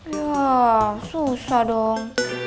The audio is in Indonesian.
ya susah dong